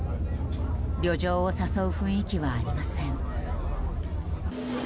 旅情を誘う雰囲気はありません。